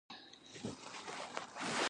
توپک انسان له انساني بڼې وباسي.